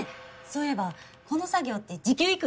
そういえばこの作業って時給いくら？